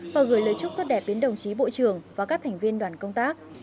và gửi lời chúc tốt đẹp đến đồng chí bộ trưởng và các thành viên đoàn công tác